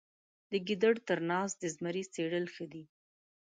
د ګیدړ تر ناز د زمري څیرل ښه دي.